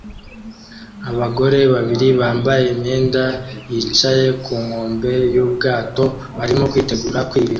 Abagore babiri bambaye imyenda yicaye ku nkombe yubwato barimo kwitegura kwibira